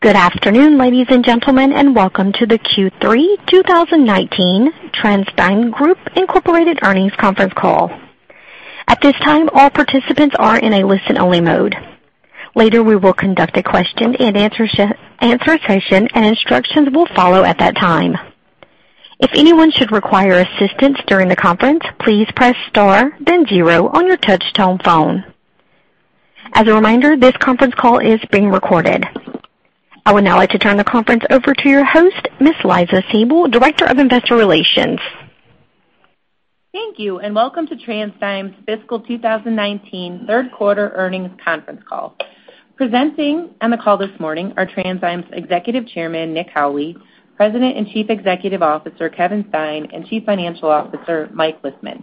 Good afternoon, ladies and gentlemen, and welcome to the Q3 2019 TransDigm Group Incorporated earnings conference call. At this time, all participants are in a listen-only mode. Later, we will conduct a question and answer session, and instructions will follow at that time. If anyone should require assistance during the conference, please press star then zero on your touch-tone phone. As a reminder, this conference call is being recorded. I would now like to turn the conference over to your host, Miss Liza Sabol, Director of Investor Relations. Thank you, and welcome to TransDigm's fiscal 2019 third quarter earnings conference call. Presenting on the call this morning are TransDigm's Executive Chairman, Nick Howley, President and Chief Executive Officer, Kevin Stein, and Chief Financial Officer, Mike Lisman.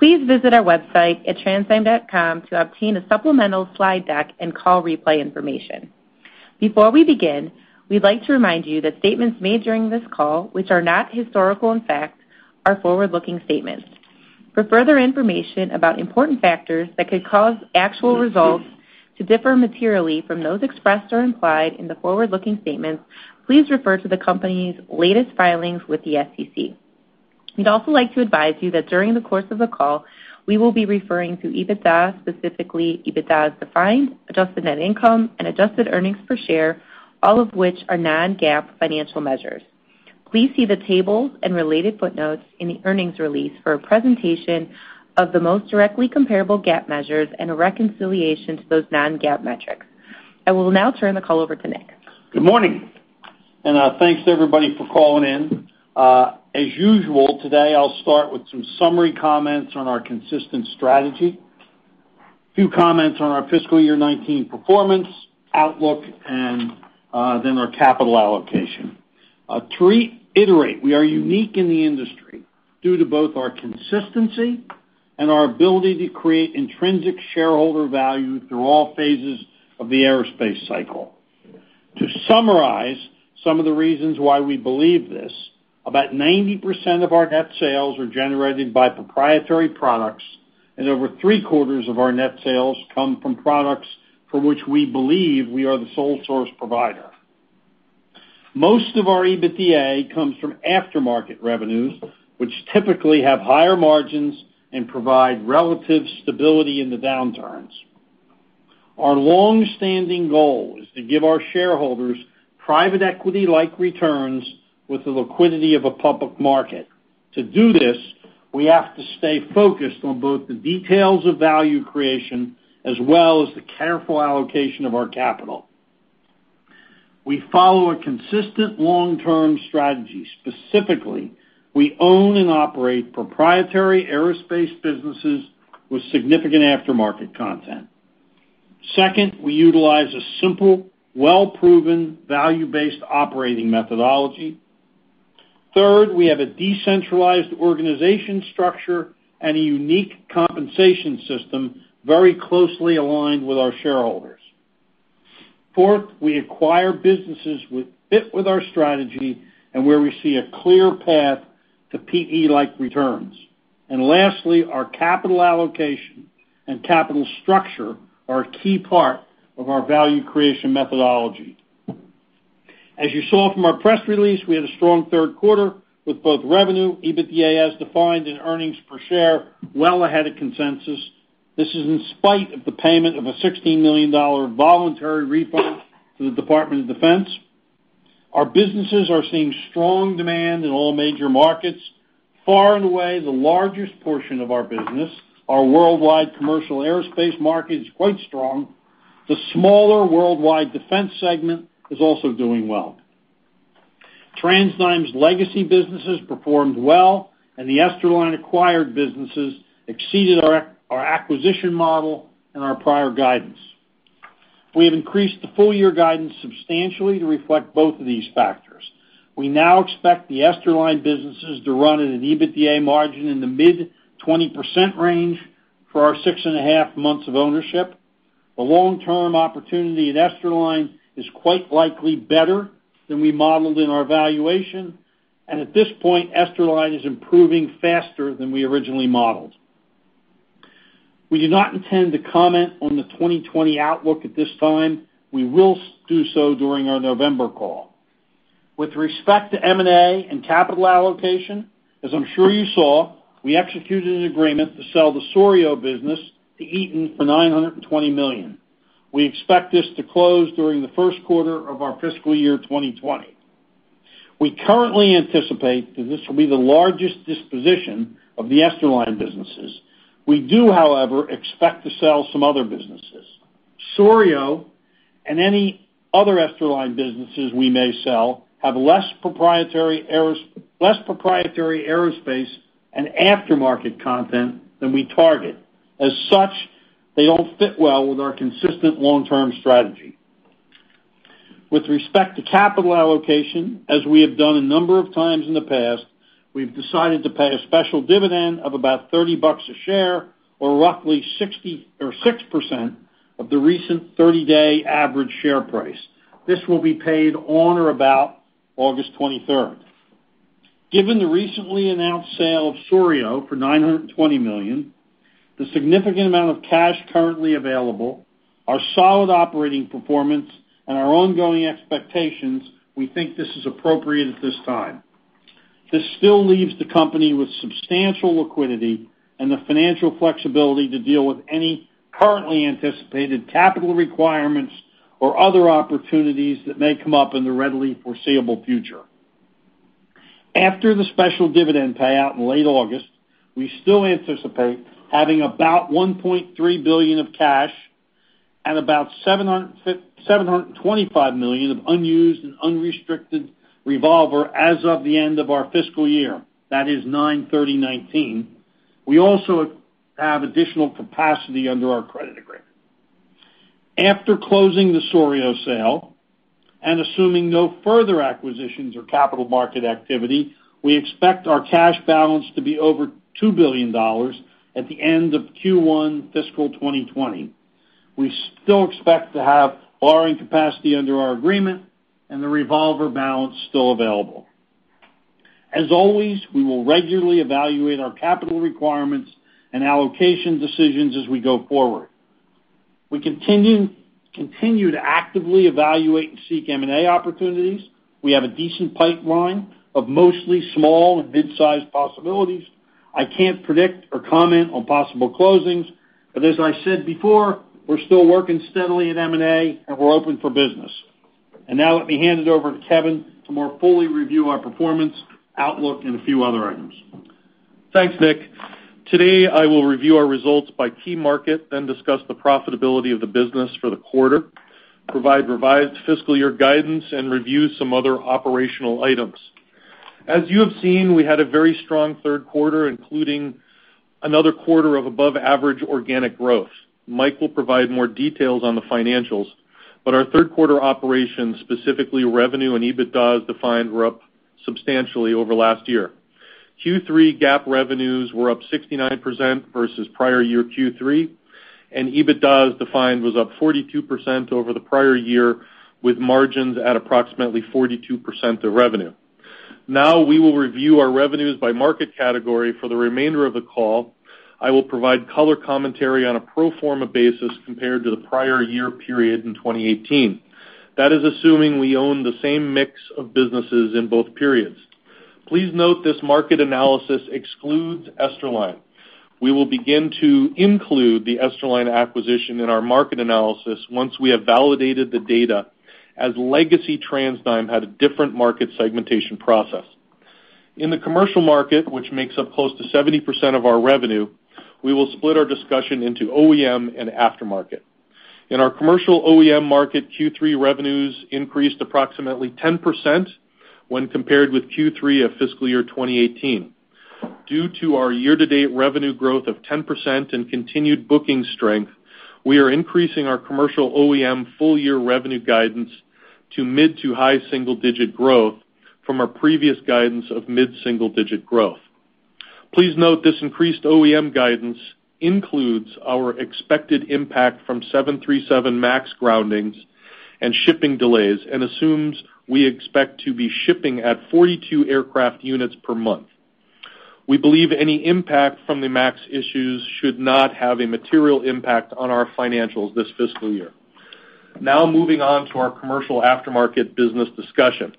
Please visit our website at transdigm.com to obtain a supplemental slide deck and call replay information. Before we begin, we'd like to remind you that statements made during this call, which are not historical in fact, are forward-looking statements. For further information about important factors that could cause actual results to differ materially from those expressed or implied in the forward-looking statements, please refer to the company's latest filings with the SEC. We'd also like to advise you that during the course of the call, we will be referring to EBITDA, specifically EBITDA as defined, adjusted net income, and adjusted earnings per share, all of which are non-GAAP financial measures. Please see the tables and related footnotes in the earnings release for a presentation of the most directly comparable GAAP measures and a reconciliation to those non-GAAP metrics. I will now turn the call over to Nick. Good morning, thanks everybody for calling in. As usual, today I'll start with some summary comments on our consistent strategy, a few comments on our fiscal year 2019 performance, outlook, and then our capital allocation. To reiterate, we are unique in the industry due to both our consistency and our ability to create intrinsic shareholder value through all phases of the aerospace cycle. To summarize some of the reasons why we believe this, about 90% of our net sales are generated by proprietary products, and over three-quarters of our net sales come from products for which we believe we are the sole source provider. Most of our EBITDA comes from aftermarket revenues, which typically have higher margins and provide relative stability in the downturns. Our longstanding goal is to give our shareholders private equity-like returns with the liquidity of a public market. To do this, we have to stay focused on both the details of value creation, as well as the careful allocation of our capital. We follow a consistent long-term strategy. Specifically, we own and operate proprietary aerospace businesses with significant aftermarket content. Second, we utilize a simple, well-proven, value-based operating methodology. Third, we have a decentralized organization structure and a unique compensation system very closely aligned with our shareholders. Fourth, we acquire businesses which fit with our strategy and where we see a clear path to PE-like returns. Lastly, our capital allocation and capital structure are a key part of our value creation methodology. As you saw from our press release, we had a strong third quarter with both revenue, EBITDA as defined, and earnings per share well ahead of consensus. This is in spite of the payment of a $16 million voluntary refund to the Department of Defense. Our businesses are seeing strong demand in all major markets. Far and away, the largest portion of our business, our worldwide commercial aerospace market, is quite strong. The smaller worldwide defense segment is also doing well. TransDigm's legacy businesses performed well, and the Esterline-acquired businesses exceeded our acquisition model and our prior guidance. We have increased the full-year guidance substantially to reflect both of these factors. We now expect the Esterline businesses to run at an EBITDA margin in the mid-20% range for our six and a half months of ownership. The long-term opportunity at Esterline is quite likely better than we modeled in our valuation. At this point, Esterline is improving faster than we originally modeled. We do not intend to comment on the 2020 outlook at this time. We will do so during our November call. With respect to M&A and capital allocation, as I'm sure you saw, we executed an agreement to sell the Souriau business to Eaton for $920 million. We expect this to close during the first quarter of our fiscal year 2020. We currently anticipate that this will be the largest disposition of the Esterline businesses. We do, however, expect to sell some other businesses. Souriau and any other Esterline businesses we may sell have less proprietary aerospace and aftermarket content than we target. As such, they don't fit well with our consistent long-term strategy. With respect to capital allocation, as we have done a number of times in the past, we've decided to pay a special dividend of about $30 a share, or roughly 6% of the recent 30-day average share price. This will be paid on or about August 23rd. Given the recently announced sale of Souriau for $920 million, the significant amount of cash currently available, our solid operating performance, and our ongoing expectations, we think this is appropriate at this time. This still leaves the company with substantial liquidity and the financial flexibility to deal with any currently anticipated capital requirements or other opportunities that may come up in the readily foreseeable future. After the special dividend payout in late August, we still anticipate having about $1.3 billion of cash and about $725 million of unused and unrestricted revolver as of the end of our fiscal year. That is 9/30/2019. We also have additional capacity under our credit agreement. After closing the Souriau sale and assuming no further acquisitions or capital market activity, we expect our cash balance to be over $2 billion at the end of Q1 fiscal 2020. We still expect to have borrowing capacity under our agreement and the revolver balance still available. As always, we will regularly evaluate our capital requirements and allocation decisions as we go forward. We continue to actively evaluate and seek M&A opportunities. We have a decent pipeline of mostly small and mid-size possibilities. I can't predict or comment on possible closings, but as I said before, we're still working steadily in M&A, and we're open for business. Now let me hand it over to Kevin to more fully review our performance, outlook, and a few other items. Thanks, Nick. Today, I will review our results by key market, then discuss the profitability of the business for the quarter, provide revised fiscal year guidance, and review some other operational items. As you have seen, we had a very strong third quarter, including another quarter of above-average organic growth. Mike will provide more details on the financials, our third quarter operations, specifically revenue and EBITDA as defined, were up substantially over last year. Q3 GAAP revenues were up 69% versus prior year Q3, EBITDA as defined was up 42% over the prior year, with margins at approximately 42% of revenue. We will review our revenues by market category for the remainder of the call. I will provide color commentary on a pro forma basis compared to the prior year period in 2018. That is assuming we own the same mix of businesses in both periods. Please note this market analysis excludes Esterline. We will begin to include the Esterline acquisition in our market analysis once we have validated the data, as Legacy TransDigm had a different market segmentation process. In the commercial market, which makes up close to 70% of our revenue, we will split our discussion into OEM and aftermarket. In our commercial OEM market, Q3 revenues increased approximately 10% when compared with Q3 of fiscal year 2018. Due to our year-to-date revenue growth of 10% and continued booking strength, we are increasing our commercial OEM full-year revenue guidance to mid to high single-digit growth from our previous guidance of mid-single-digit growth. Please note this increased OEM guidance includes our expected impact from 737 MAX groundings and shipping delays and assumes we expect to be shipping at 42 aircraft units per month. We believe any impact from the MAX issues should not have a material impact on our financials this fiscal year. Moving on to our commercial aftermarket business discussion.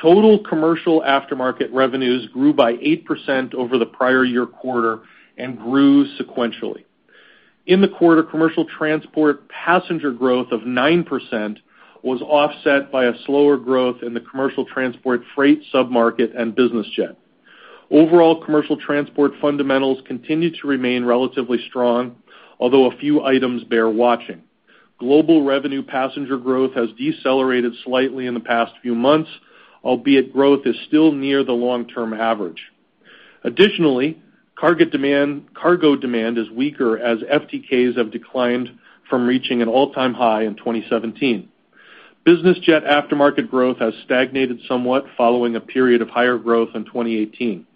Total commercial aftermarket revenues grew by 8% over the prior year quarter and grew sequentially. In the quarter, commercial transport passenger growth of 9% was offset by a slower growth in the commercial transport freight sub-market and business jet. Overall commercial transport fundamentals continue to remain relatively strong, although a few items bear watching. Global revenue passenger growth has decelerated slightly in the past few months, albeit growth is still near the long-term average. Cargo demand is weaker as FTKs have declined from reaching an all-time high in 2017. Business jet aftermarket growth has stagnated somewhat following a period of higher growth in 2018.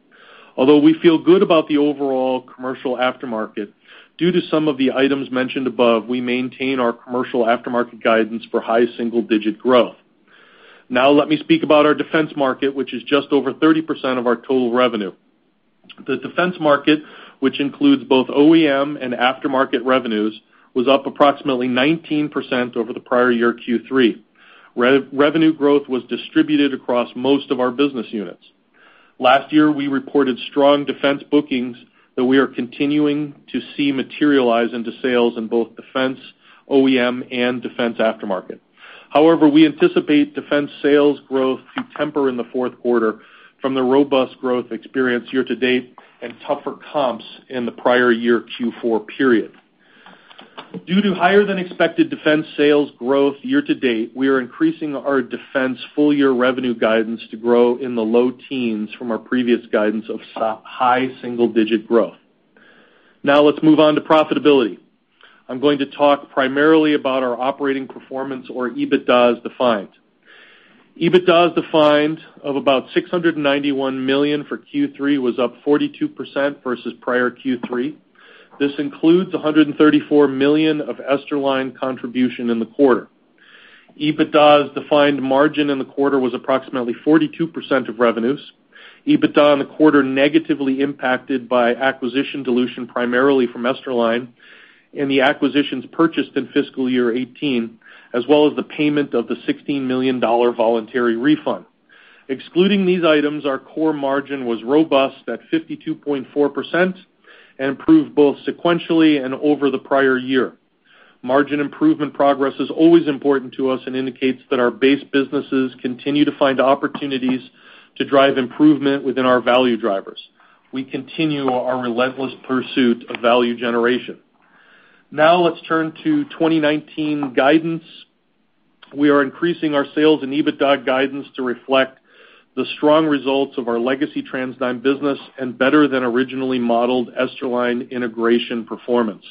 Although we feel good about the overall commercial aftermarket, due to some of the items mentioned above, we maintain our commercial aftermarket guidance for high single-digit growth. Now let me speak about our defense market, which is just over 30% of our total revenue. The defense market, which includes both OEM and aftermarket revenues, was up approximately 19% over the prior year Q3. Revenue growth was distributed across most of our business units. Last year, we reported strong defense bookings that we are continuing to see materialize into sales in both defense OEM and defense aftermarket. However, we anticipate defense sales growth to temper in the fourth quarter from the robust growth experienced year to date and tougher comps in the prior year Q4 period. Due to higher than expected defense sales growth year-to-date, we are increasing our defense full year revenue guidance to grow in the low teens from our previous guidance of high single-digit growth. Let's move on to profitability. I'm going to talk primarily about our operating performance or EBITDA as defined. EBITDA as defined of about $691 million for Q3 was up 42% versus prior Q3. This includes $134 million of Esterline contribution in the quarter. EBITDA as defined margin in the quarter was approximately 42% of revenues. EBITDA in the quarter negatively impacted by acquisition dilution primarily from Esterline, and the acquisitions purchased in fiscal year 2018, as well as the payment of the $16 million voluntary refund. Excluding these items, our core margin was robust at 52.4% and improved both sequentially and over the prior year. Margin improvement progress is always important to us and indicates that our base businesses continue to find opportunities to drive improvement within our value drivers. We continue our relentless pursuit of value generation. Now let's turn to 2019 guidance. We are increasing our sales and EBITDA guidance to reflect the strong results of our legacy TransDigm business and better than originally modeled Esterline integration performance.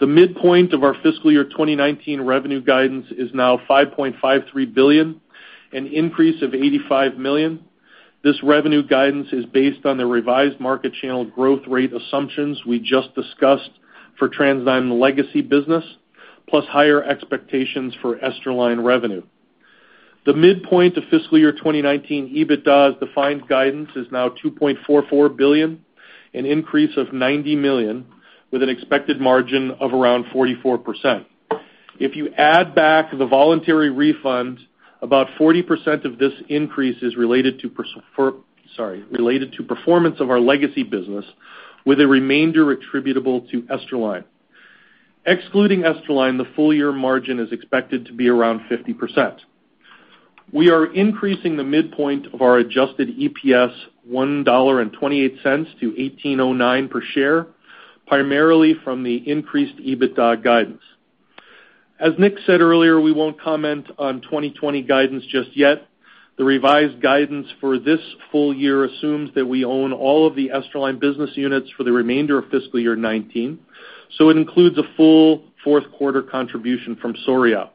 The midpoint of our fiscal year 2019 revenue guidance is now $5.53 billion, an increase of $85 million. This revenue guidance is based on the revised market channel growth rate assumptions we just discussed for TransDigm legacy business, plus higher expectations for Esterline revenue. The midpoint of fiscal year 2019 EBITDA as defined guidance is now $2.44 billion, an increase of $90 million, with an expected margin of around 44%. If you add back the voluntary refund, about 40% of this increase is related to performance of our legacy business, with a remainder attributable to Esterline. Excluding Esterline, the full year margin is expected to be around 50%. We are increasing the midpoint of our adjusted EPS $1.28 to $18.09 per share, primarily from the increased EBITDA guidance. As Nick said earlier, we won't comment on 2020 guidance just yet. The revised guidance for this full year assumes that we own all of the Esterline business units for the remainder of fiscal year 2019, so it includes a full fourth quarter contribution from Souriau.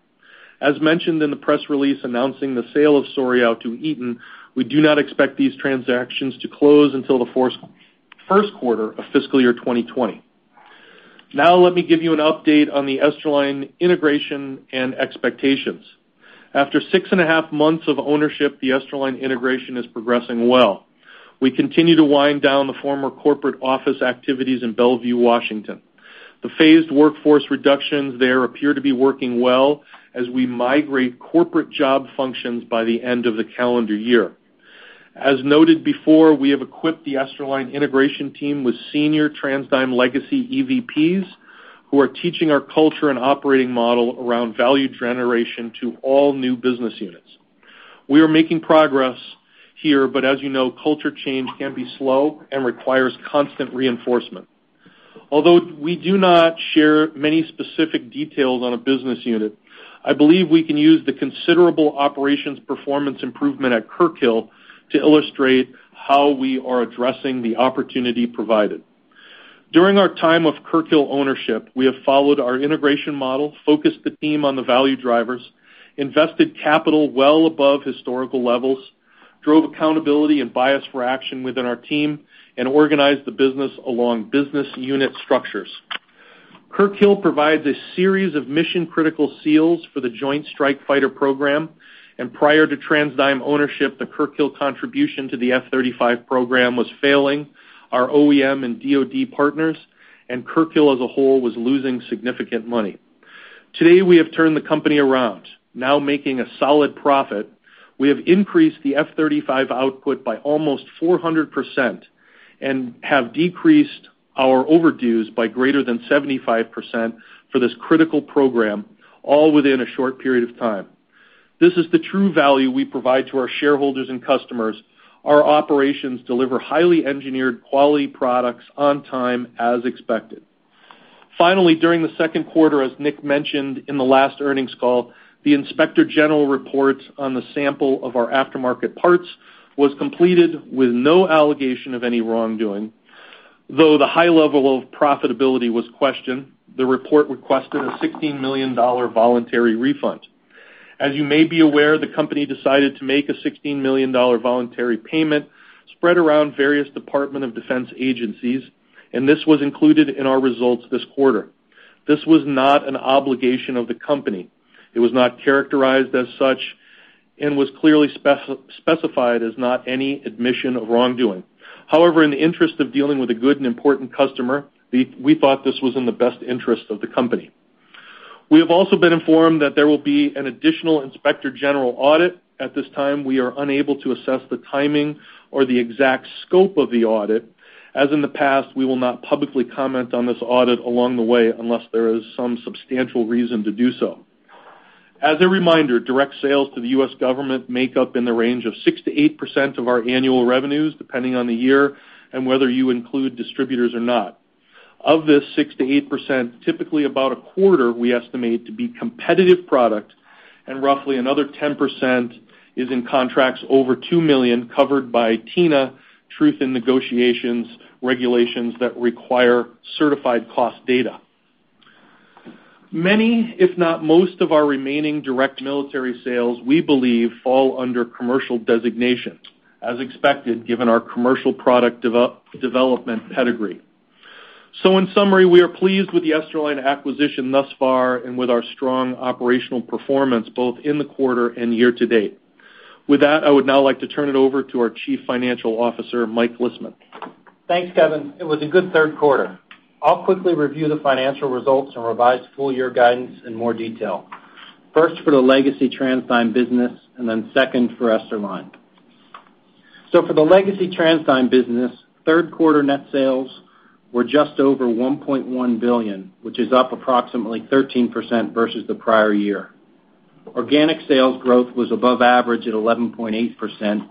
As mentioned in the press release announcing the sale of Souriau to Eaton, we do not expect these transactions to close until the first quarter of fiscal year 2020. Let me give you an update on the Esterline integration and expectations. After six and a half months of ownership, the Esterline integration is progressing well. We continue to wind down the former corporate office activities in Bellevue, Washington. The phased workforce reductions there appear to be working well as we migrate corporate job functions by the end of the calendar year. As noted before, we have equipped the Esterline integration team with senior TransDigm legacy EVPs who are teaching our culture and operating model around value generation to all new business units. We are making progress here, but as you know, culture change can be slow and requires constant reinforcement. Although we do not share many specific details on a business unit, I believe we can use the considerable operations performance improvement at Kirkhill to illustrate how we are addressing the opportunity provided. During our time of Kirkhill ownership, we have followed our integration model, focused the team on the value drivers, invested capital well above historical levels, drove accountability and bias for action within our team, and organized the business along business unit structures. Kirkhill provides a series of mission-critical seals for the Joint Strike Fighter program, and prior to TransDigm ownership, the Kirkhill contribution to the F-35 program was failing our OEM and DoD partners, and Kirkhill as a whole was losing significant money. Today, we have turned the company around, now making a solid profit. We have increased the F-35 output by almost 400% and have decreased our overdues by greater than 75% for this critical program, all within a short period of time. This is the true value we provide to our shareholders and customers. Our operations deliver highly engineered quality products on time, as expected. Finally, during the second quarter, as Nick mentioned in the last earnings call, the Inspector General report on the sample of our aftermarket parts was completed with no allegation of any wrongdoing. Though the high level of profitability was questioned, the report requested a $16 million voluntary refund. As you may be aware, the company decided to make a $16 million voluntary payment spread around various Department of Defense agencies, and this was included in our results this quarter. This was not an obligation of the company. It was not characterized as such and was clearly specified as not any admission of wrongdoing. In the interest of dealing with a good and important customer, we thought this was in the best interest of the company. We have also been informed that there will be an additional Inspector General audit. At this time, we are unable to assess the timing or the exact scope of the audit. As in the past, we will not publicly comment on this audit along the way unless there is some substantial reason to do so. As a reminder, direct sales to the U.S. government make up in the range of 6%-8% of our annual revenues, depending on the year and whether you include distributors or not. Of this 6%-8%, typically about a quarter we estimate to be competitive product, and roughly another 10% is in contracts over $2 million covered by TINA, Truth in Negotiations, regulations that require certified cost data. Many, if not most, of our remaining direct military sales, we believe fall under commercial designations, as expected, given our commercial product development pedigree. In summary, we are pleased with the Esterline acquisition thus far and with our strong operational performance both in the quarter and year to date. With that, I would now like to turn it over to our Chief Financial Officer, Mike Lisman. Thanks, Kevin. It was a good third quarter. I'll quickly review the financial results and revised full-year guidance in more detail. First for the legacy TransDigm business and then second for Esterline. For the legacy TransDigm business, third quarter net sales were just over $1.1 billion, which is up approximately 13% versus the prior year. Organic sales growth was above average at 11.8%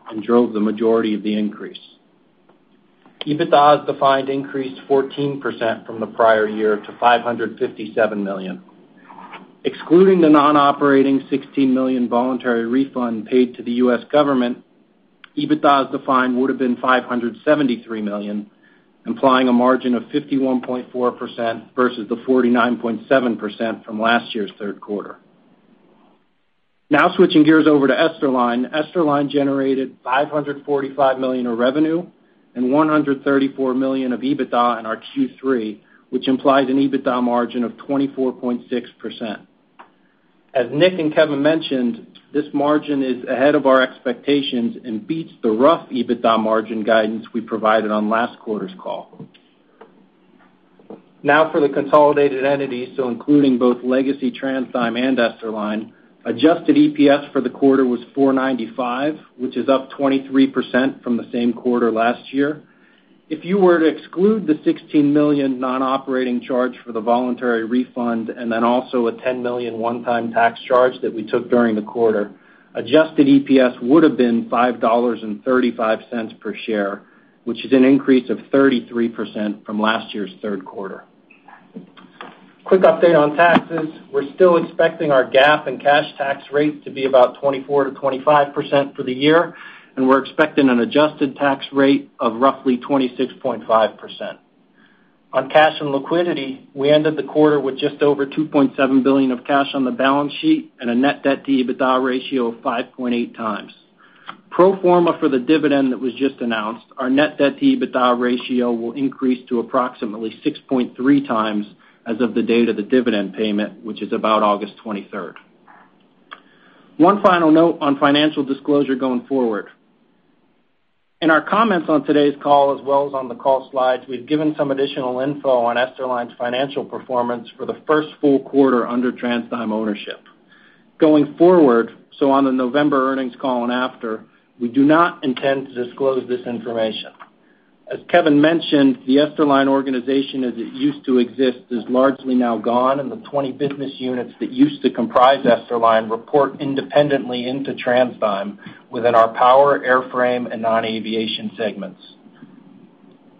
and drove the majority of the increase. EBITDA as defined increased 14% from the prior year to $557 million. Excluding the non-operating $16 million voluntary refund paid to the U.S. government, EBITDA as defined would have been $573 million, implying a margin of 51.4% versus the 49.7% from last year's third quarter. Switching gears over to Esterline. Esterline generated $545 million of revenue and $134 million of EBITDA in our Q3, which implies an EBITDA margin of 24.6%. As Nick and Kevin mentioned, this margin is ahead of our expectations and beats the rough EBITDA margin guidance we provided on last quarter's call. Now for the consolidated entities, so including both legacy TransDigm and Esterline, adjusted EPS for the quarter was $4.95, which is up 23% from the same quarter last year. If you were to exclude the $16 million non-operating charge for the voluntary refund and then also a $10 million one-time tax charge that we took during the quarter, adjusted EPS would have been $5.35 per share, which is an increase of 33% from last year's third quarter. Quick update on taxes. We're still expecting our GAAP and cash tax rate to be about 24%-25% for the year, and we're expecting an adjusted tax rate of roughly 26.5%. On cash and liquidity, we ended the quarter with just over $2.7 billion of cash on the balance sheet and a net debt-to-EBITDA ratio of 5.8 times. Pro forma for the dividend that was just announced, our net debt-to-EBITDA ratio will increase to approximately 6.3 times as of the date of the dividend payment, which is about August 23rd. One final note on financial disclosure going forward. In our comments on today's call as well as on the call slides, we've given some additional info on Esterline's financial performance for the first full quarter under TransDigm ownership. Going forward, on the November earnings call and after, we do not intend to disclose this information. As Kevin mentioned, the Esterline organization as it used to exist is largely now gone, and the 20 business units that used to comprise Esterline report independently into TransDigm within our Power, Airframe, and Non-Aviation segments.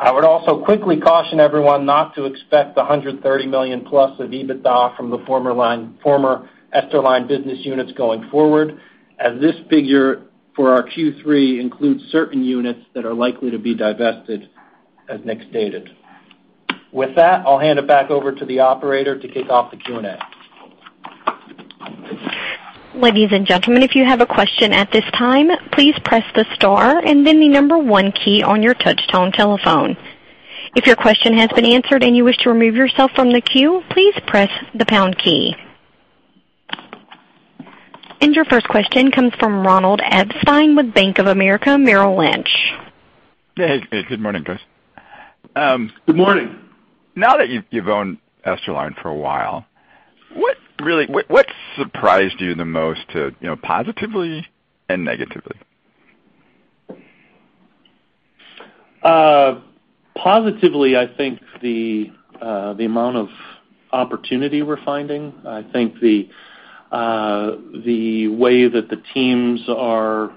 I would also quickly caution everyone not to expect the $130 million plus of EBITDA from the former Esterline business units going forward, as this figure for our Q3 includes certain units that are likely to be divested, as Nick stated. With that, I'll hand it back over to the operator to kick off the Q&A. Ladies and gentlemen, if you have a question at this time, please press the star and then the number 1 key on your touchtone telephone. If your question has been answered and you wish to remove yourself from the queue, please press the pound key. Your first question comes from Ronald Epstein with Bank of America Merrill Lynch. Yeah. Hey. Good morning, guys. Good morning. Now that you've owned Esterline for a while, what surprised you the most, positively and negatively? Positively, I think the amount of opportunity we're finding. I think the way that the teams are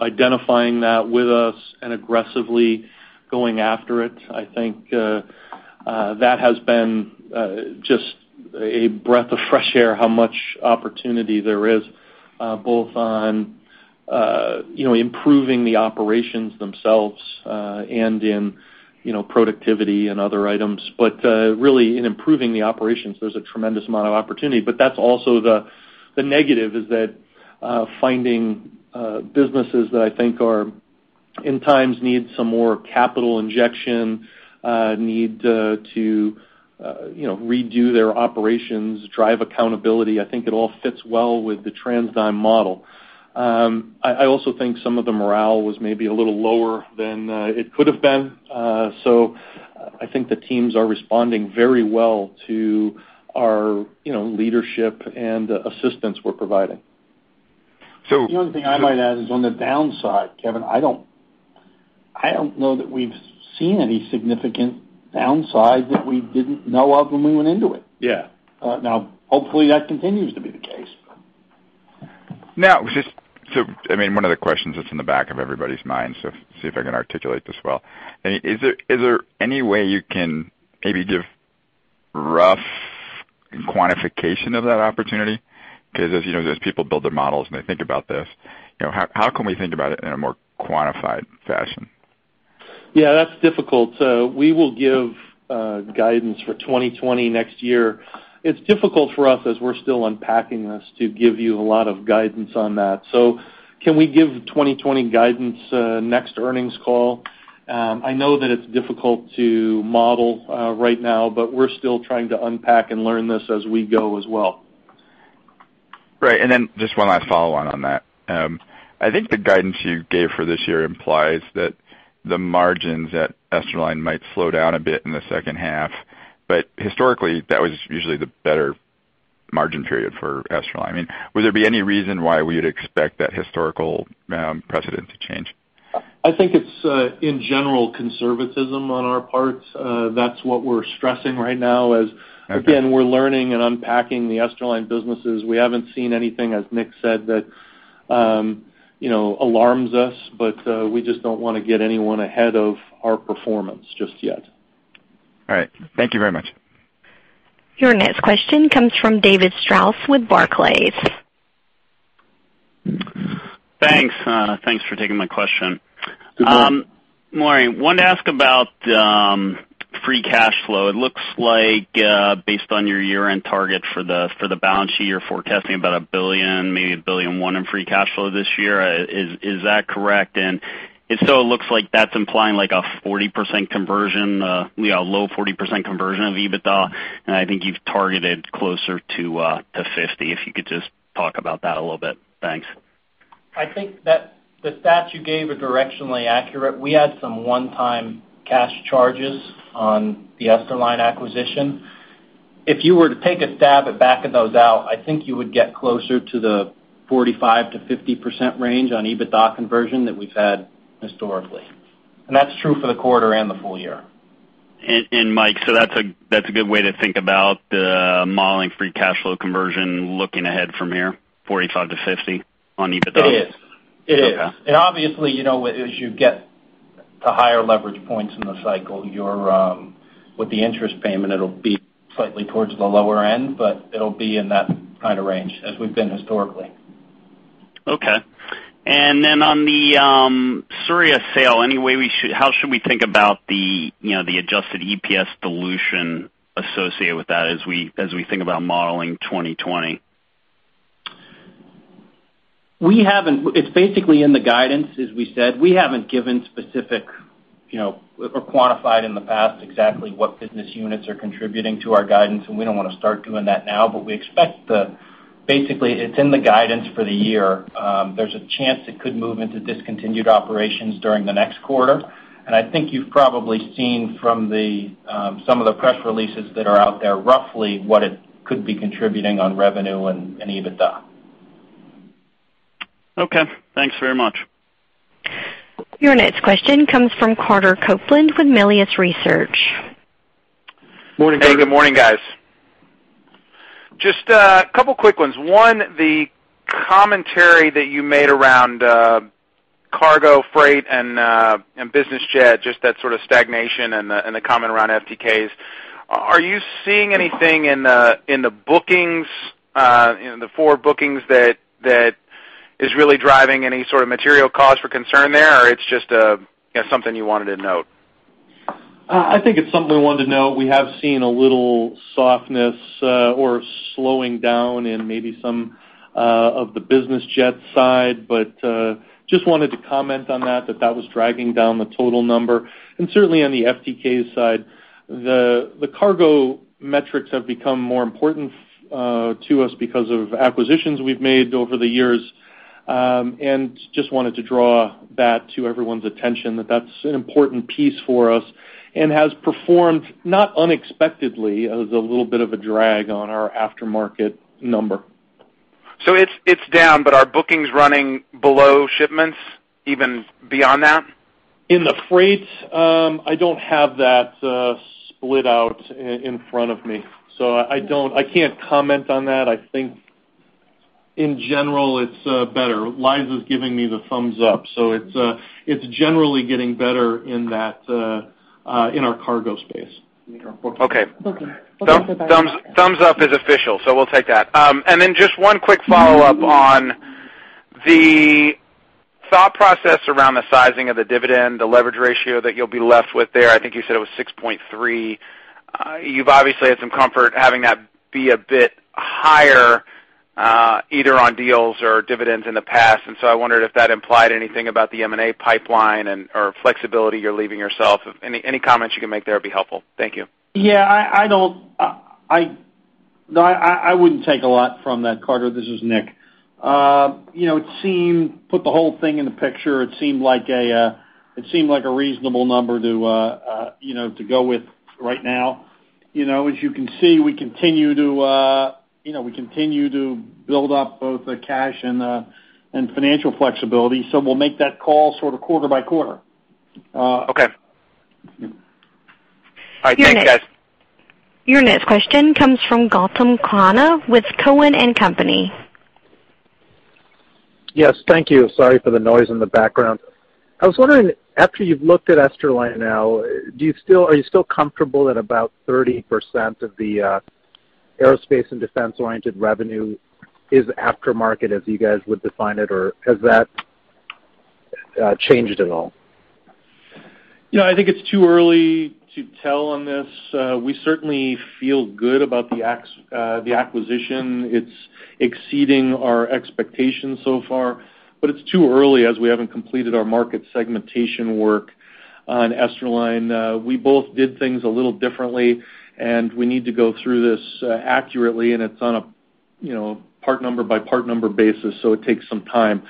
identifying that with us and aggressively going after it, I think that has been just a breath of fresh air, how much opportunity there is, both on improving the operations themselves, and in productivity and other items. Really in improving the operations, there's a tremendous amount of opportunity. That's also the negative, is that finding businesses that I think in times need some more capital injection, need to redo their operations, drive accountability. I think it all fits well with the TransDigm model. I also think some of the morale was maybe a little lower than it could have been. I think the teams are responding very well to our leadership and assistance we're providing. The only thing I might add is on the downside, Kevin, I don't know that we've seen any significant downside that we didn't know of when we went into it. Yeah. Hopefully, that continues to be the case. Now, just so, one of the questions that's in the back of everybody's mind, so see if I can articulate this well. Is there any way you can maybe give rough quantification of that opportunity? As you know, as people build their models and they think about this, how can we think about it in a more quantified fashion? Yeah, that's difficult. We will give guidance for 2020 next year. It's difficult for us as we're still unpacking this to give you a lot of guidance on that. Can we give 2020 guidance next earnings call? I know that it's difficult to model right now, but we're still trying to unpack and learn this as we go as well. Right. Just one last follow-on on that. I think the guidance you gave for this year implies that the margins at Esterline might slow down a bit in the second half. Historically, that was usually the better margin period for Esterline. Would there be any reason why we would expect that historical precedent to change? I think it's, in general, conservatism on our parts. That's what we're stressing right now. Okay we're learning and unpacking the Esterline businesses. We haven't seen anything, as Nick said, that alarms us, but we just don't want to get anyone ahead of our performance just yet. All right. Thank you very much. Your next question comes from David Strauss with Barclays. Thanks. Thanks for taking my question. Good morning. Good morning. Wanted to ask about free cash flow. It looks like based on your year-end target for the balance sheet, you're forecasting about $1 billion, maybe $1 billion and one in free cash flow this year. Is that correct? If so, it looks like that's implying like a 40% conversion, a low 40% conversion of EBITDA, and I think you've targeted closer to 50%. If you could just talk about that a little bit. Thanks. I think that the stats you gave are directionally accurate. We had some one-time cash charges on the Esterline acquisition. If you were to take a stab at backing those out, I think you would get closer to the 45%-50% range on EBITDA conversion that we've had historically. That's true for the quarter and the full year. Mike, that's a good way to think about modeling free cash flow conversion looking ahead from here, 45%-50% on EBITDA? It is. Okay. Obviously, as you get to higher leverage points in the cycle, with the interest payment, it'll be slightly towards the lower end, but it'll be in that kind of range as we've been historically. Okay. On the Souriau sale, how should we think about the adjusted EPS dilution associated with that as we think about modeling 2020? It's basically in the guidance, as we said. We haven't given specific or quantified in the past exactly what business units are contributing to our guidance, and we don't want to start doing that now. Basically, it's in the guidance for the year. There's a chance it could move into discontinued operations during the next quarter. I think you've probably seen from some of the press releases that are out there, roughly what it could be contributing on revenue and EBITDA. Okay. Thanks very much. Your next question comes from Carter Copeland with Melius Research. Morning, Carter. Hey, good morning, guys. Just a couple quick ones. One, the commentary that you made around cargo, freight, and business jet, just that sort of stagnation and the comment around FTK. Are you seeing anything in the four bookings that is really driving any sort of material cause for concern there, or it's just something you wanted to note? I think it's something we wanted to note. We have seen a little softness or slowing down in maybe some of the business jet side, but just wanted to comment on that that was dragging down the total number. And certainly on the FTK side, the cargo metrics have become more important to us because of acquisitions we've made over the years. And just wanted to draw that to everyone's attention that that's an important piece for us and has performed, not unexpectedly, as a little bit of a drag on our aftermarket number. It's down, but are bookings running below shipments even beyond that? In the freight, I don't have that split out in front of me, so I can't comment on that. I think, in general, it's better. Liza's giving me the thumbs up, so it's generally getting better in our cargo space. Okay. Okay. We'll take that. Thumbs up is official. We'll take that. Just one quick follow-up on the thought process around the sizing of the dividend, the leverage ratio that you'll be left with there. I think you said it was 6.3. You've obviously had some comfort having that be a bit higher, either on deals or dividends in the past. I wondered if that implied anything about the M&A pipeline or flexibility you're leaving yourself. Any comments you can make there would be helpful. Thank you. Yeah, I wouldn't take a lot from that, Carter. This is Nick. Put the whole thing in the picture, it seemed like a reasonable number to go with right now. As you can see, we continue to build up both the cash and financial flexibility. We'll make that call sort of quarter by quarter. Okay. All right. Thanks, guys. Your next question comes from Gautam Khanna with Cowen and Company. Yes. Thank you. Sorry for the noise in the background. I was wondering, after you've looked at Esterline now, are you still comfortable that about 30% of the aerospace and defense-oriented revenue is aftermarket as you guys would define it, or has that changed at all? I think it's too early to tell on this. We certainly feel good about the acquisition. It's exceeding our expectations so far, but it's too early as we haven't completed our market segmentation work on Esterline. We both did things a little differently, and we need to go through this accurately, and it's on a part number by part number basis, so it takes some time.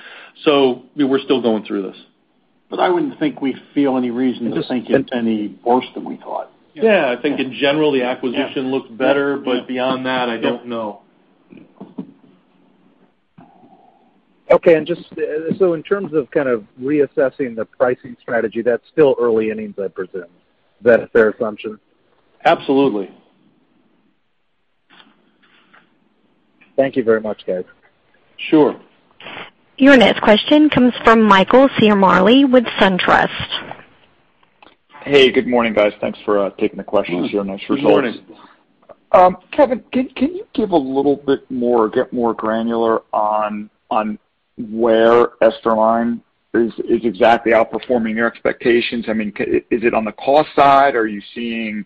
We're still going through this. I wouldn't think we feel any reason to think it any worse than we thought. Yeah, I think in general, the acquisition looks better, but beyond that, I don't know. Okay. In terms of kind of reassessing the pricing strategy, that's still early innings, I presume. Is that a fair assumption? Absolutely. Thank you very much, guys. Sure. Your next question comes from Michael Ciarmoli with SunTrust. Hey, good morning, guys. Thanks for taking the questions. Very nice results. Good morning. Kevin, can you give a little bit more, get more granular on where Esterline is exactly outperforming your expectations? Is it on the cost side? Are you seeing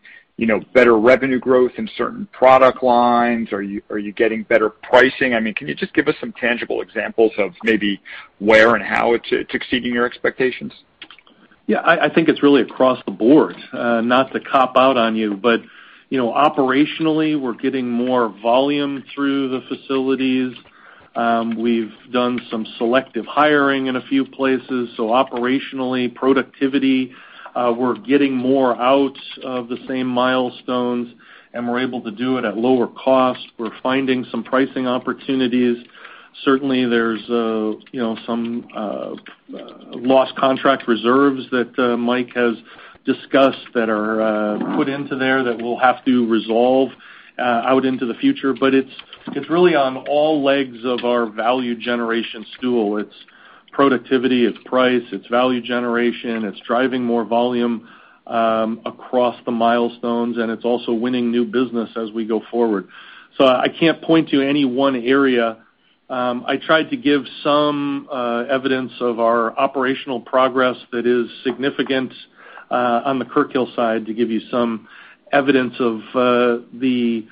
better revenue growth in certain product lines? Are you getting better pricing? Can you just give us some tangible examples of maybe where and how it's exceeding your expectations? Yeah, I think it's really across the board. Not to cop out on you, but operationally, we're getting more volume through the facilities. We've done some selective hiring in a few places. Operationally, productivity, we're getting more out of the same milestones, and we're able to do it at lower cost. We're finding some pricing opportunities. Certainly, there's some lost contract reserves that Mike has discussed that are put into there that we'll have to resolve out into the future. It's really on all legs of our value generation stool. It's productivity, it's price, it's value generation, it's driving more volume across the milestones, and it's also winning new business as we go forward. I can't point to any one area. I tried to give some evidence of our operational progress that is significant on the Kirkhill side to give you some evidence of the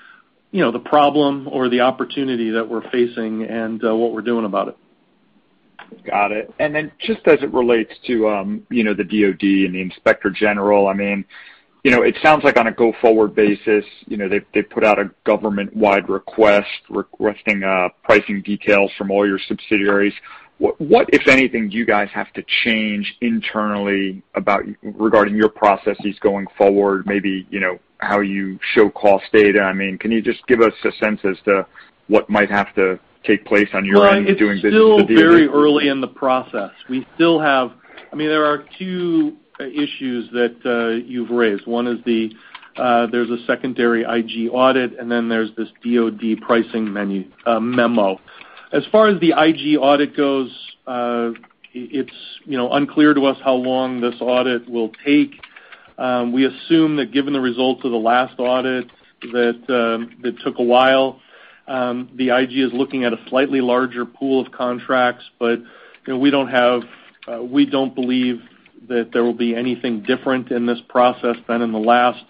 problem or the opportunity that we're facing and what we're doing about it. Got it. Just as it relates to the DoD and the Inspector General, it sounds like on a go-forward basis, they've put out a government-wide request requesting pricing details from all your subsidiaries. What, if anything, do you guys have to change internally regarding your processes going forward, maybe how you show cost data? Can you just give us a sense as to what might have to take place on your end in doing business with the DoD? It's still very early in the process. There are two issues that you've raised. One is there's a secondary IG audit, and then there's this DoD pricing memo. As far as the IG audit goes, it's unclear to us how long this audit will take. We assume that given the results of the last audit, that it took a while. The IG is looking at a slightly larger pool of contracts, but we don't believe that there will be anything different in this process than in the last.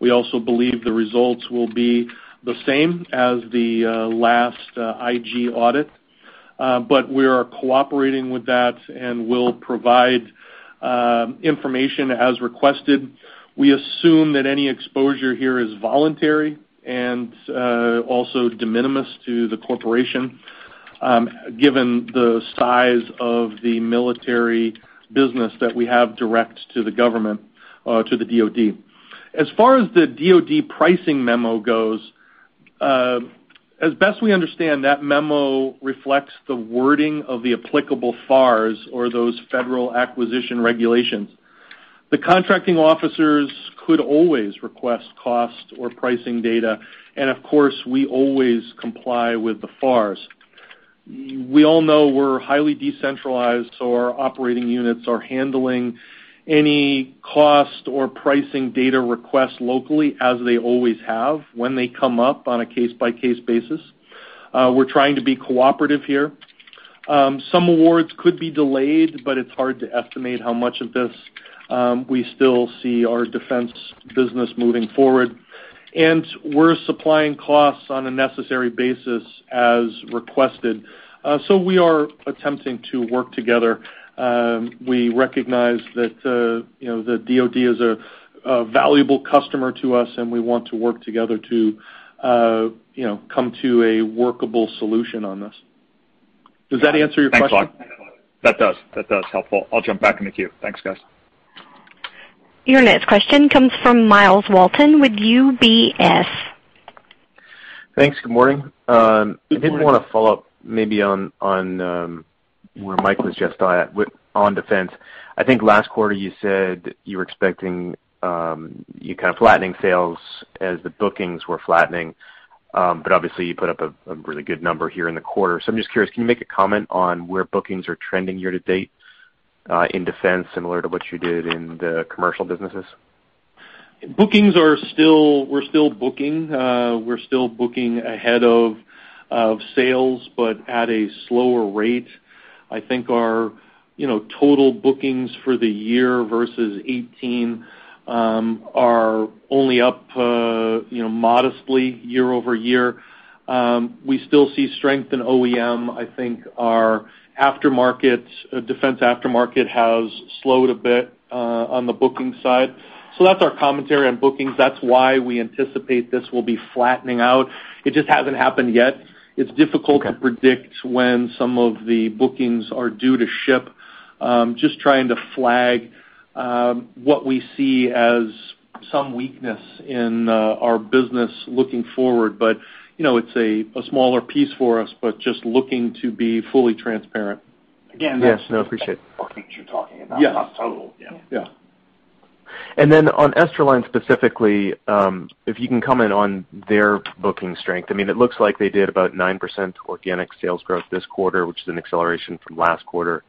We also believe the results will be the same as the last IG audit. We are cooperating with that and will provide information as requested. We assume that any exposure here is voluntary and also de minimis to the corporation, given the size of the military business that we have direct to the government, to the DoD. As far as the DoD pricing memo goes, as best we understand, that memo reflects the wording of the applicable FARs or those Federal Acquisition Regulations. The contracting officers could always request cost or pricing data, and of course, we always comply with the FARs. We all know we're highly decentralized, so our operating units are handling any cost or pricing data request locally as they always have when they come up on a case-by-case basis. We're trying to be cooperative here. Some awards could be delayed, but it's hard to estimate how much of this. We still see our defense business moving forward. We're supplying costs on a necessary basis as requested. We are attempting to work together. We recognize that the DoD is a valuable customer to us, and we want to work together to come to a workable solution on this. Does that answer your question? Thanks a lot. That does. Helpful. I'll jump back in the queue. Thanks, guys. Your next question comes from Myles Walton with UBS. Thanks. Good morning. Good morning. I did want to follow up maybe on where Mike was just at on Defense. I think last quarter you said you were expecting kind of flattening sales as the bookings were flattening. Obviously, you put up a really good number here in the quarter. I'm just curious, can you make a comment on where bookings are trending year to date in Defense, similar to what you did in the commercial businesses? Bookings, we're still booking. We're still booking ahead of sales, but at a slower rate. I think our total bookings for the year versus 2018 are only up modestly year-over-year. We still see strength in OEM. I think our defense aftermarket has slowed a bit on the booking side. That's our commentary on bookings. That's why we anticipate this will be flattening out. It just hasn't happened yet. Okay. It's difficult to predict when some of the bookings are due to ship. Just trying to flag what we see as some weakness in our business looking forward, but it's a smaller piece for us, but just looking to be fully transparent. Yes. No, appreciate. Bookings you're talking about. Yes not total. Yeah. On Esterline specifically, if you can comment on their booking strength. It looks like they did about 9% organic sales growth this quarter, which is an acceleration from last quarter.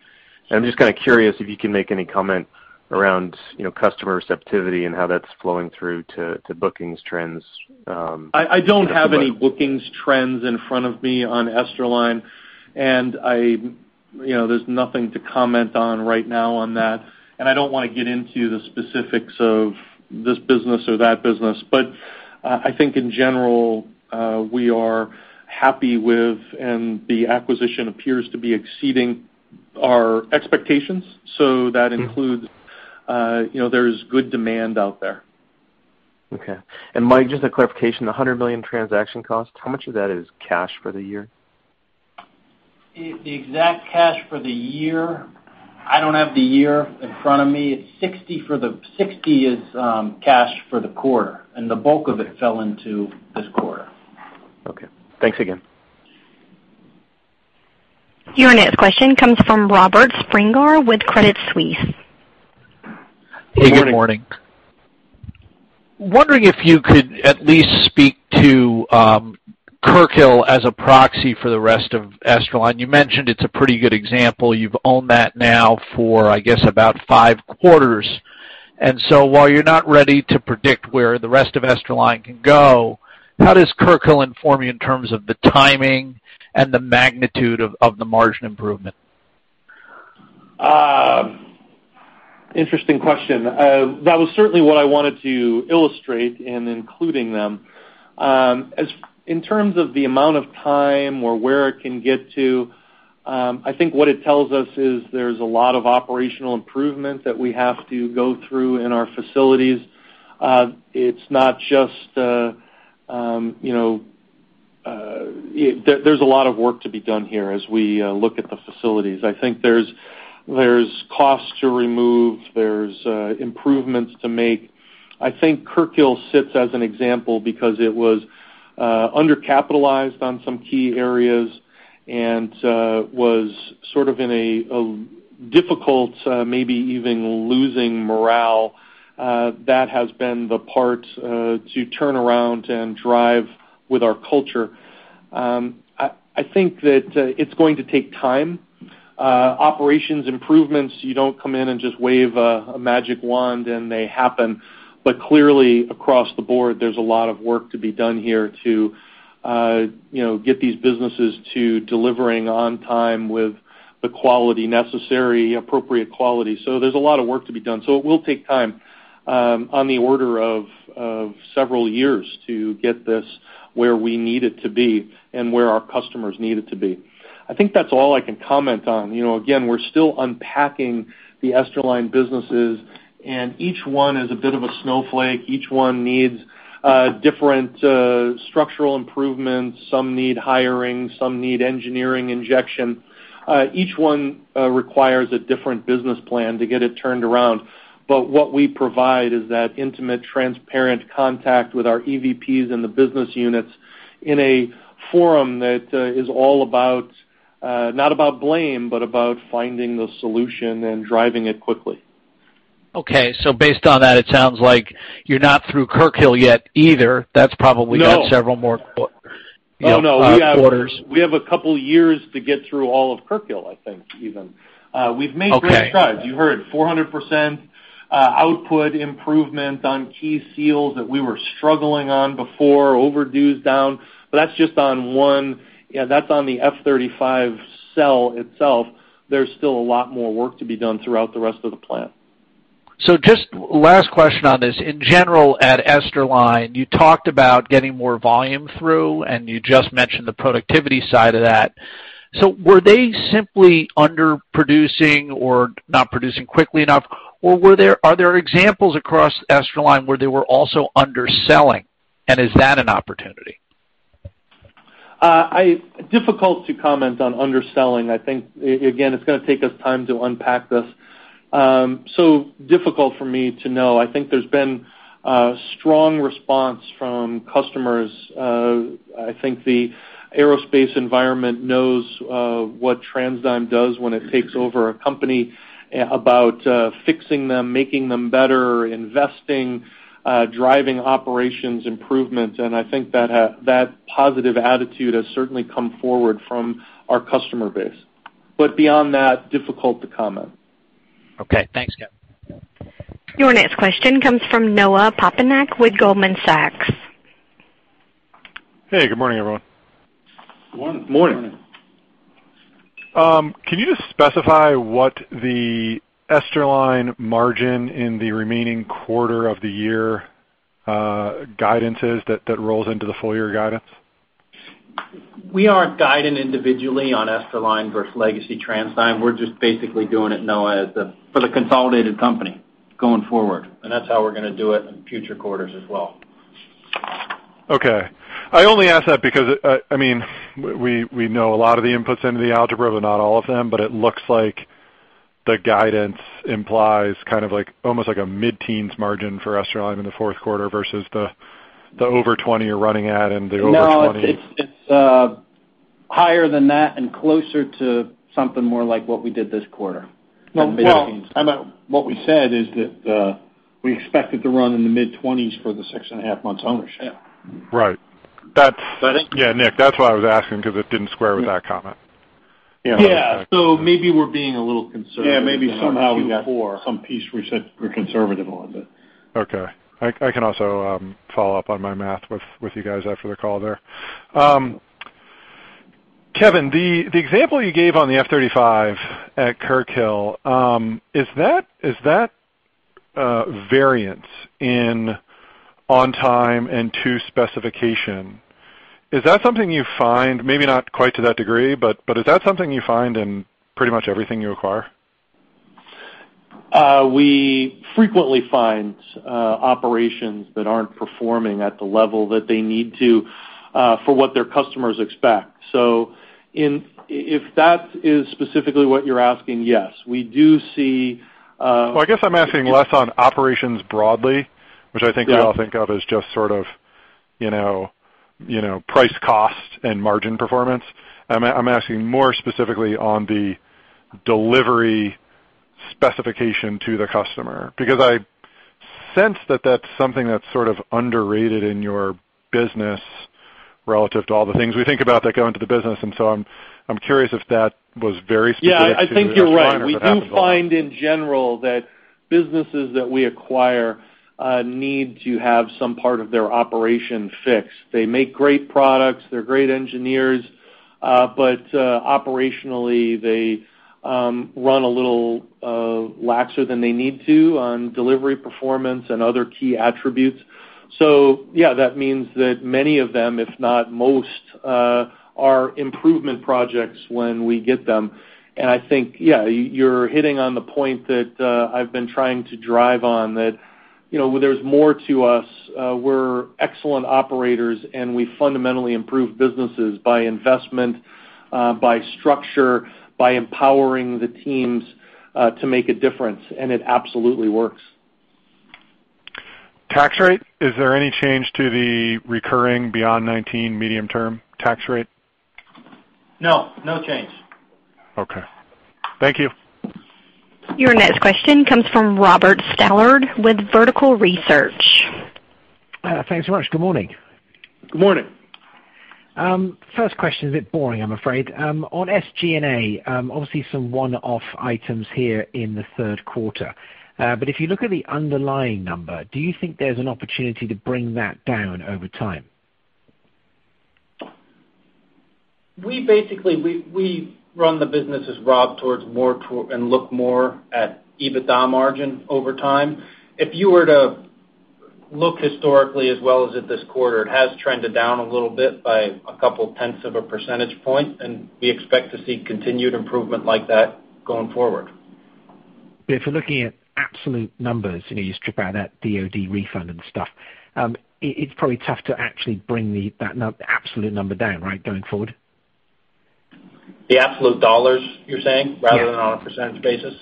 I'm just kind of curious if you can make any comment around customer receptivity and how that's flowing through to bookings trends. I don't have any bookings trends in front of me on Esterline, and there's nothing to comment on right now on that. I don't want to get into the specifics of this business or that business. I think in general, we are happy with, and the acquisition appears to be exceeding our expectations. That includes, there's good demand out there. Okay. Mike, just a clarification, the $100 million transaction cost, how much of that is cash for the year? The exact cash for the year, I don't have the year in front of me. $60 is cash for the quarter, and the bulk of it fell into this quarter. Okay. Thanks again. Your next question comes from Robert Spingarn with Credit Suisse. Good morning. Hey, good morning. Wondering if you could at least speak to Kirkhill as a proxy for the rest of Esterline. You mentioned it's a pretty good example. You've owned that now for, I guess, about five quarters. While you're not ready to predict where the rest of Esterline can go, how does Kirkhill inform you in terms of the timing and the magnitude of the margin improvement? Interesting question. That was certainly what I wanted to illustrate in including them. In terms of the amount of time or where it can get to, I think what it tells us is there's a lot of operational improvement that we have to go through in our facilities. There's a lot of work to be done here as we look at the facilities. I think there's costs to remove, there's improvements to make. I think Kirkhill sits as an example because it was undercapitalized on some key areas and was sort of in a difficult, maybe even losing morale. That has been the part to turn around and drive with our culture. I think that it's going to take time. Operations improvements, you don't come in and just wave a magic wand and they happen. Clearly across the board, there's a lot of work to be done here to get these businesses to delivering on time with the quality necessary, appropriate quality. There's a lot of work to be done. It will take time, on the order of several years to get this where we need it to be and where our customers need it to be. I think that's all I can comment on. We're still unpacking the Esterline businesses, and each one is a bit of a snowflake. Each one needs different structural improvements. Some need hiring, some need engineering injection. Each one requires a different business plan to get it turned around. What we provide is that intimate, transparent contact with our EVP and the business units in a forum that is all about, not about blame, but about finding the solution and driving it quickly. Okay. Based on that, it sounds like you're not through Kirkhill yet either. No Got several more quarters. No, we have a couple years to get through all of Kirkhill, I think, even. Okay. We've made great strides. You heard 400% output improvement on key seals that we were struggling on before, overdues down, but that's just on one. That's on the F-35 cell itself. There's still a lot more work to be done throughout the rest of the plant. Just last question on this. In general, at Esterline, you talked about getting more volume through, and you just mentioned the productivity side of that. Were they simply underproducing or not producing quickly enough? Are there examples across Esterline where they were also underselling? Is that an opportunity? Difficult to comment on underselling. I think, again, it's going to take us time to unpack this. Difficult for me to know. I think there's been a strong response from customers. I think the aerospace environment knows what TransDigm does when it takes over a company about fixing them, making them better, investing, driving operations improvements, and I think that positive attitude has certainly come forward from our customer base. Beyond that, difficult to comment. Okay. Thanks, Kevin. Your next question comes from Noah Poponak with Goldman Sachs. Hey, good morning, everyone. Morning. Morning. Can you just specify what the Esterline margin in the remaining quarter of the year guidance is that rolls into the full year guidance? We aren't guiding individually on Esterline versus legacy TransDigm. We're just basically doing it, Noah, for the consolidated company going forward, and that's how we're going to do it in future quarters as well. Okay. I only ask that because, we know a lot of the inputs into the algebra, but not all of them, but it looks like the guidance implies almost like a mid-teens margin for Esterline in the fourth quarter versus the over 20 you're running at and the over 20- No, it's higher than that and closer to something more like what we did this quarter. Well, what we said is that we expected to run in the mid-20s for the six and a half months ownership. Right. Is that it? Yeah, Nick, that's why I was asking, because it didn't square with that comment. Yeah. Maybe we're being a little conservative. Yeah, maybe somehow we got some piece we're conservative on, but. Okay. I can also follow up on my math with you guys after the call there. Kevin, the example you gave on the F-35 at Kirkhill, is that variance in on time and to specification, is that something you find, maybe not quite to that degree, but is that something you find in pretty much everything you acquire? We frequently find operations that aren't performing at the level that they need to for what their customers expect. If that is specifically what you're asking, yes. I guess I'm asking less on operations broadly, which I think we all think of as just sort of price, cost, and margin performance. I'm asking more specifically on the delivery specification to the customer, because I sense that that's something that's sort of underrated in your business relative to all the things we think about that go into the business. I'm curious if that was very specific to Esterline that happens a lot. Yeah, I think you're right. We do find in general that businesses that we acquire need to have some part of their operation fixed. They make great products. They're great engineers. Operationally, they run a little laxer than they need to on delivery performance and other key attributes. Yeah, that means that many of them, if not most, are improvement projects when we get them. I think, yeah, you're hitting on the point that I've been trying to drive on, that there's more to us. We're excellent operators, and we fundamentally improve businesses by investment, by structure, by empowering the teams to make a difference, and it absolutely works. Tax rate, is there any change to the recurring beyond 2019 medium-term tax rate? No. No change. Okay. Thank you. Your next question comes from Robert Stallard with Vertical Research. Thanks so much. Good morning. Good morning. First question is a bit boring, I'm afraid. On SG&A, obviously some one-off items here in the third quarter. If you look at the underlying number, do you think there's an opportunity to bring that down over time? We basically run the business, Rob, towards more and look more at EBITDA margin over time. If you were to look historically as well as at this quarter, it has trended down a little bit by a couple tenths of a percentage point, and we expect to see continued improvement like that going forward. If you're looking at absolute numbers, you strip out that DoD refund and stuff, it's probably tough to actually bring the absolute number down, right, going forward? The absolute dollars, you're saying, rather than on a percentage basis?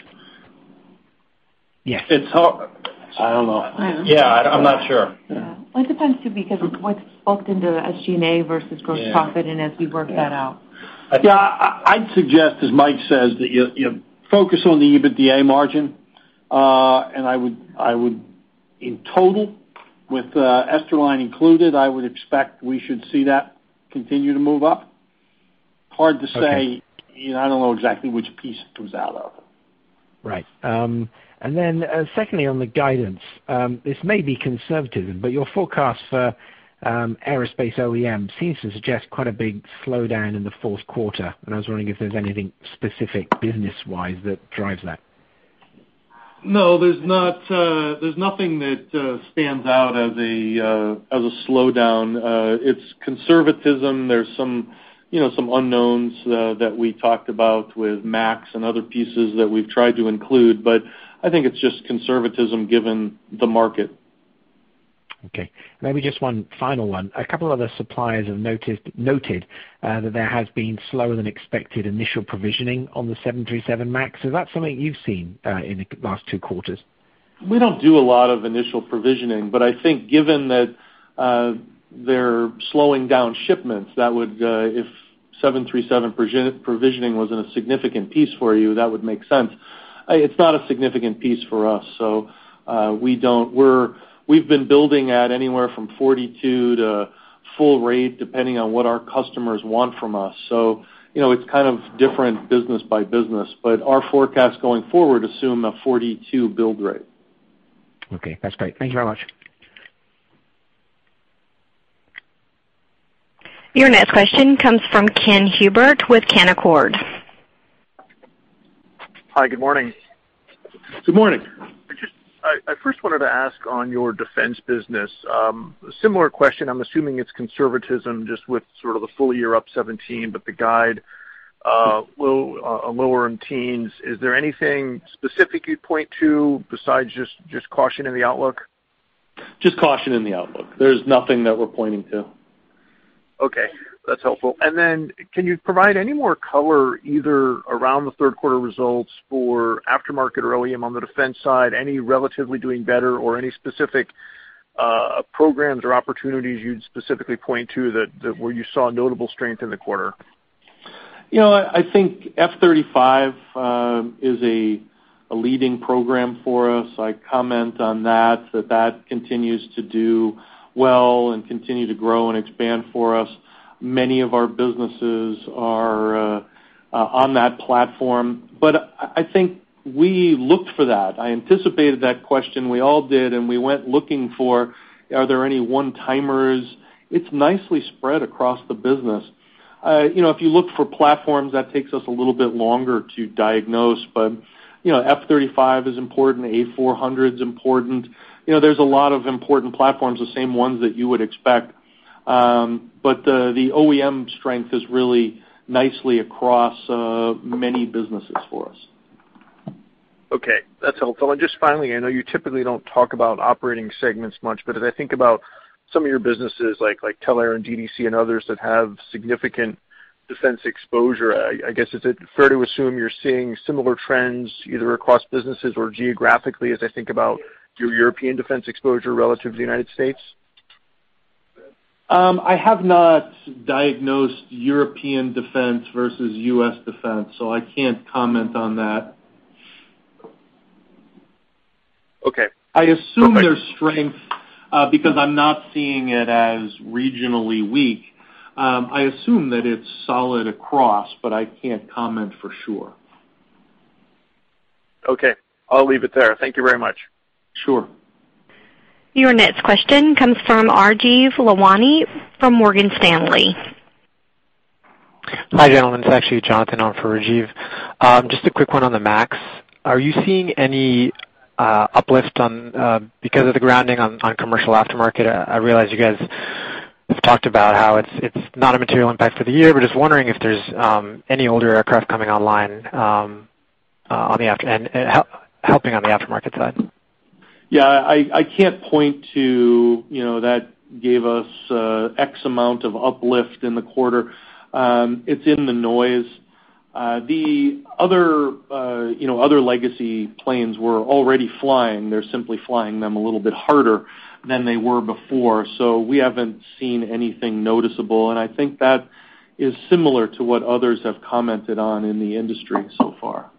Yes. It's hard. I don't know. Yeah, I'm not sure. Well, it depends, too, because of what's scoped into SG&A versus gross profit, and as we work that out. Yeah, I'd suggest, as Mike says, that you focus on the EBITDA margin, and I would, in total, with Esterline included, I would expect we should see that continue to move up. Hard to say. I don't know exactly which piece it comes out of. Right. Secondly, on the guidance, this may be conservative, but your forecast for aerospace OEM seems to suggest quite a big slowdown in the fourth quarter, and I was wondering if there's anything specific business-wise that drives that? No, there's nothing that stands out as a slowdown. It's conservatism. There's some unknowns that we talked about with MAX and other pieces that we've tried to include, but I think it's just conservatism given the market. Okay. Maybe just one final one. A couple other suppliers have noted that there has been slower than expected initial provisioning on the 737 MAX. Is that something you've seen in the last two quarters? We don't do a lot of initial provisioning. I think given that they're slowing down shipments, if 737 provisioning wasn't a significant piece for you, that would make sense. It's not a significant piece for us. We've been building at anywhere from 42 to full rate, depending on what our customers want from us. It's kind of different business by business, but our forecasts going forward assume a 42 build rate. Okay, that's great. Thank you very much. Your next question comes from Ken Herbert with Canaccord. Hi, good morning. Good morning. I first wanted to ask on your defense business, similar question. I'm assuming it's conservatism just with sort of the full year up 2017, but the guide. A lower in teens. Is there anything specific you'd point to besides just caution in the outlook? Just caution in the outlook. There's nothing that we're pointing to. Okay, that's helpful. Can you provide any more color, either around the third quarter results for aftermarket or OEM on the defense side? Any relatively doing better or any specific programs or opportunities you'd specifically point to where you saw notable strength in the quarter? I think F-35 is a leading program for us. I comment on that continues to do well and continue to grow and expand for us. Many of our businesses are on that platform. I think we looked for that. I anticipated that question, we all did, and we went looking for are there any one-timers. It's nicely spread across the business. If you look for platforms, that takes us a little bit longer to diagnose, but F-35 is important, A400M is important. There's a lot of important platforms, the same ones that you would expect. The OEM strength is really nicely across many businesses for us. Okay, that's helpful. Just finally, I know you typically don't talk about operating segments much, but as I think about some of your businesses like Kirkhill and DDC and others that have significant defense exposure, I guess, is it fair to assume you're seeing similar trends either across businesses or geographically as I think about your European defense exposure relative to the U.S.? I have not diagnosed European defense versus U.S. defense. I can't comment on that. Okay. I assume there's strength, because I'm not seeing it as regionally weak. I assume that it's solid across, but I can't comment for sure. Okay. I'll leave it there. Thank you very much. Sure. Your next question comes from Rajeev Lalwani from Morgan Stanley. Hi, gentlemen. It's actually Jonathan on for Rajeev. Just a quick one on the MAX. Are you seeing any uplift because of the grounding on commercial aftermarket? I realize you guys have talked about how it's not a material impact for the year, just wondering if there's any older aircraft coming online and helping on the aftermarket side. Yeah, I can't point to that gave us X amount of uplift in the quarter. It's in the noise. The other legacy planes were already flying. They're simply flying them a little bit harder than they were before, so we haven't seen anything noticeable, and I think that is similar to what others have commented on in the industry so far.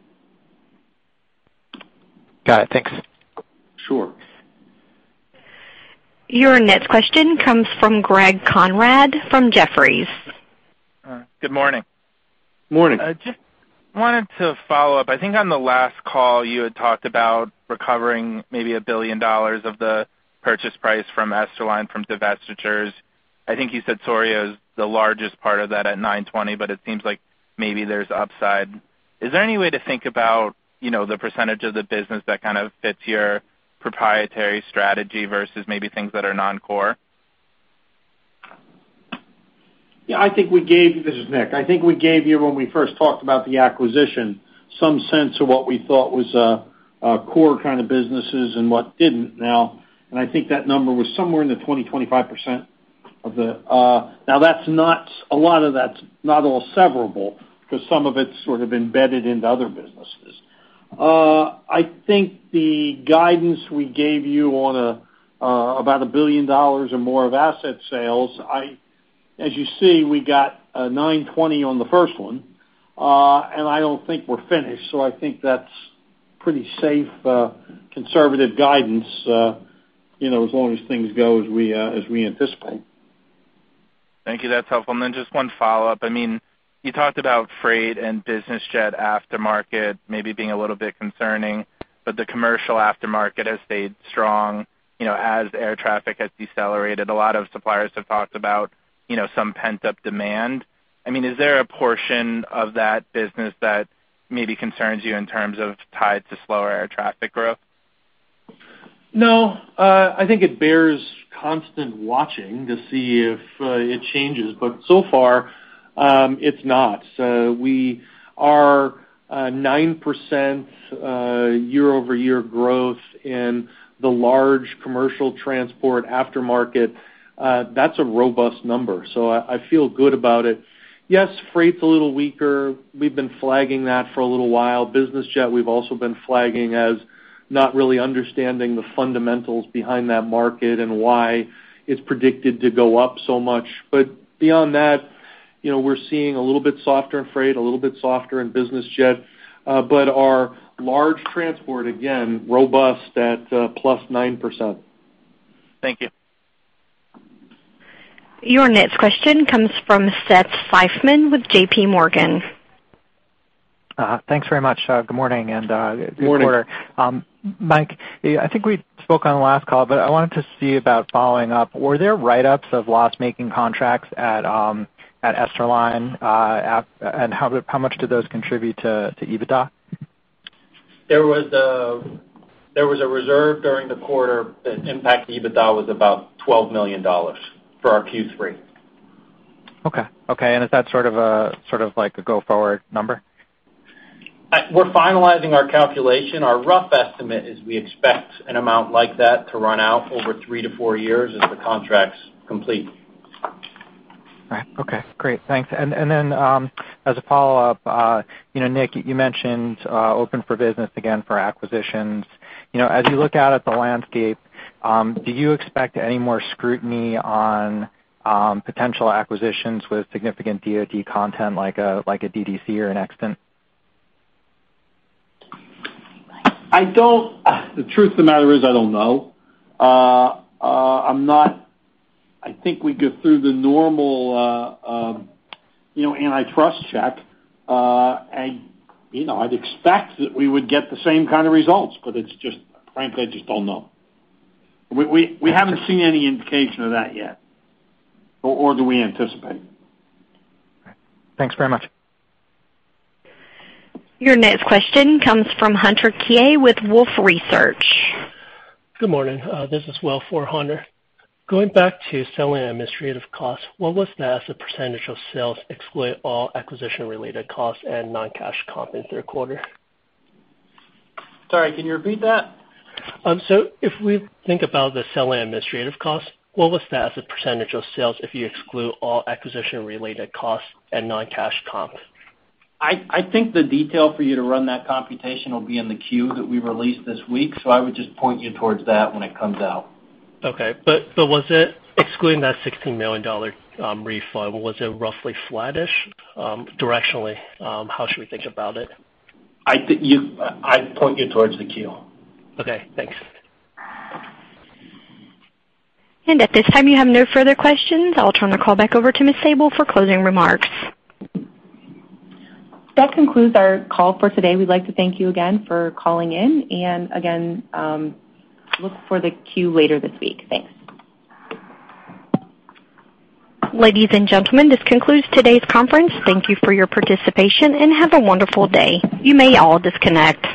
Got it. Thanks. Sure. Your next question comes from Greg Konrad from Jefferies. Good morning. Morning. Just wanted to follow up. I think on the last call, you had talked about recovering maybe $1 billion of the purchase price from Esterline from divestitures. I think you said Toray is the largest part of that at $920 million. It seems like maybe there's upside. Is there any way to think about the percentage of the business that kind of fits your proprietary strategy versus maybe things that are non-core? Yeah, this is Nick. I think we gave you, when we first talked about the acquisition, some sense of what we thought was core kind of businesses and what didn't. I think that number was somewhere in the 20%-25%. A lot of that's not all severable because some of it's sort of embedded into other businesses. I think the guidance we gave you on about $1 billion or more of asset sales, as you see, we got $920 on the first one, and I don't think we're finished. I think that's pretty safe, conservative guidance, as long as things go as we anticipate. Thank you. That's helpful. Just one follow-up. You talked about freight and business jet aftermarket maybe being a little bit concerning, but the commercial aftermarket has stayed strong as air traffic has decelerated. A lot of suppliers have talked about some pent-up demand. Is there a portion of that business that maybe concerns you in terms of tied to slower air traffic growth? No. I think it bears constant watching to see if it changes, but so far, it's not. We are 9% year-over-year growth in the large commercial transport aftermarket. That's a robust number, so I feel good about it. Yes, freight's a little weaker. We've been flagging that for a little while. Business jet we've also been flagging as not really understanding the fundamentals behind that market and why it's predicted to go up so much. Beyond that, we're seeing a little bit softer in freight, a little bit softer in business jet. Our large transport, again, robust at plus 9%. Thank you. Your next question comes from Seth Seifman with J.P. Morgan. Thanks very much. Good morning and good quarter. Morning. Mike, I think we spoke on the last call, but I wanted to see about following up. Were there write-ups of loss-making contracts at Esterline? How much do those contribute to EBITDA? There was a reserve during the quarter that impacted EBITDA was about $12 million for our Q3. Okay. Is that sort of like a go-forward number? We're finalizing our calculation. Our rough estimate is we expect an amount like that to run out over three to four years as the contracts complete. Right. Okay, great. Thanks. As a follow-up, Nick, you mentioned open for business again for acquisitions. As you look out at the landscape, do you expect any more scrutiny on potential acquisitions with significant DoD content like a DDC or an Extant? The truth of the matter is, I don't know. I think we go through the normal antitrust check. I'd expect that we would get the same kind of results, but frankly, I just don't know. We haven't seen any indication of that yet or do we anticipate. All right. Thanks very much. Your next question comes from Hunter Keay with Wolfe Research. Good morning. This is Will for Hunter. Going back to selling administrative costs, what was that as a % of sales exclude all acquisition related costs and non-cash comp in third quarter? Sorry, can you repeat that? If we think about the selling administrative cost, what was that as a % of sales if you exclude all acquisition related costs and non-cash comp? I think the detail for you to run that computation will be in the Q that we released this week. I would just point you towards that when it comes out. Okay. Excluding that $16 million refund, was it roughly flattish, directionally, how should we think about it? I'd point you towards the Q. Okay, thanks. At this time, you have no further questions. I'll turn the call back over to Ms. Sabol for closing remarks. That concludes our call for today. We'd like to thank you again for calling in and again, look for the Q later this week. Thanks. Ladies and gentlemen, this concludes today's conference. Thank you for your participation and have a wonderful day. You may all disconnect.